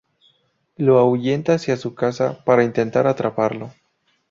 Lo ahuyenta hacia su casa para intentar atraparlo.